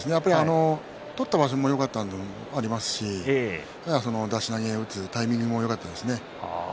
取った場所がよかったということもありますし、出し投げを打ったタイミングもよかったですね。